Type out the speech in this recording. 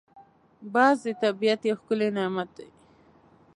باز د طبیعت یو ښکلی نعمت دی